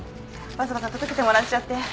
わざわざ届けてもらっちゃって。